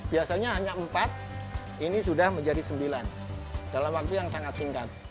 biasanya hanya empat ini sudah menjadi sembilan dalam waktu yang sangat singkat